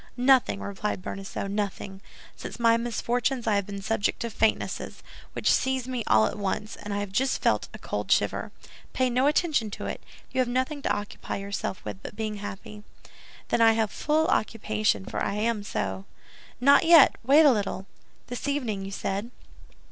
"Nothing," replied Bonacieux, "nothing. Since my misfortunes I have been subject to faintnesses, which seize me all at once, and I have just felt a cold shiver. Pay no attention to it; you have nothing to occupy yourself with but being happy." "Then I have full occupation, for I am so." "Not yet; wait a little! This evening, you said."